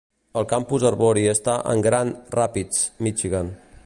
El campus arbori està en Grand Rapids, Michigan.